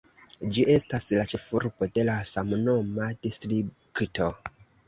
Ĝi estas la ĉefurbo de la samnoma distrikto.